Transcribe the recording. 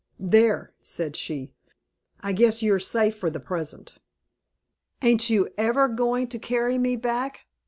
"There," said she, "I guess you're safe for the present." "Ain't you ever going to carry me back?"